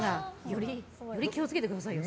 より気を付けてくださいよ。